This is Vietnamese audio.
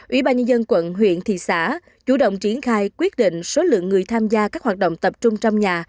ubnd quận huyện thị xã chủ động triển khai quyết định số lượng người tham gia các hoạt động tập trung trong nhà